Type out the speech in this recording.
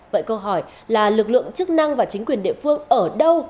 vậy câu hỏi là lực lượng chức năng và chính quyền địa phương ở đâu